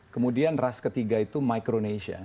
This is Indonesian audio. kemudian ras ketiga itu micronesia